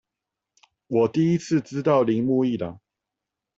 我第一次知道鈴木一朗